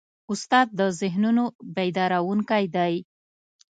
استاد د ذهنونو بیدارونکی دی.